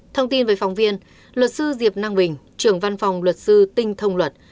thông tin về phóng viên luật sư diệp năng bình trưởng văn phòng luật sư tinh thông luật